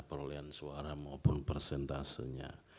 perolehan suara maupun persentasenya